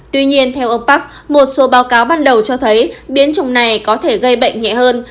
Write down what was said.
tuy nhiên theo ông park một số báo cáo ban đầu cho thấy biến chủng này có thể gây bệnh nhẹ hơn